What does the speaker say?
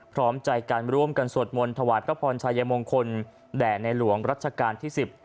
พร้อมใจการร่วมกันสวดมนต์ถวายพระพรชายมงคลแด่ในหลวงรัชกาลที่๑๐